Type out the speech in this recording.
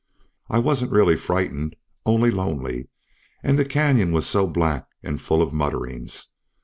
I wasn't really frightened, only lonely, and the canyon was so black and full of mutterings.